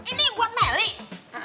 ini buat melly